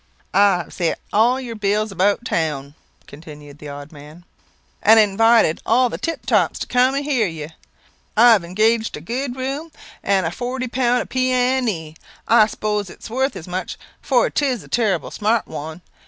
"I have sent all your bills about town," continued the odd man, "and invited all the tip tops to cum and hear you. I have engaged a good room, and a forty pound pee a ne. I s'pose it's worth as much, for 'tis a terrible smart one.